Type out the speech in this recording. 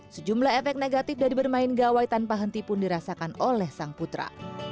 sejumlah efek negatif dari bermain gawai tanpa henti pun dirasakan oleh sang putra